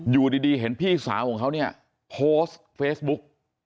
อยู่ดีเห็นพี่สาวของเขาเนี่ยโพสต์เฟซบุ๊ก